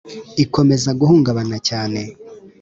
ikomeza guhungabana cyane.